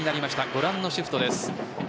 ご覧のシフトです。